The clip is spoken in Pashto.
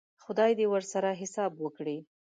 خدای دې ورسره حساب وکړي.